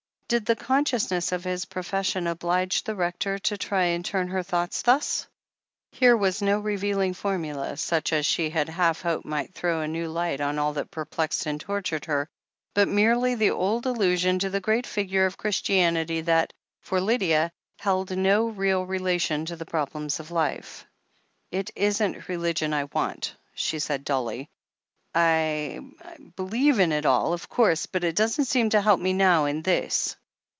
Did the consciousness of his profession oblige the Rector to try and turn her thoughts thus ? Here was no revealing formula, such as she had half hoped might throw a new light on all that perplexed and tortured her, but merely the old allusion to the great Figure of Christianity that, for Lydia, held no real relation to the problems of life. "It isn't religion I want," she said dully. "I — I believe in it all, of course, but it doesn't seem to help me now in this."